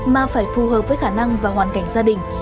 mà phải phù hợp với khả năng và hoàn cảnh gia đình